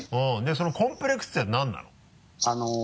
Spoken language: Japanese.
そのコンプレックスって何なの？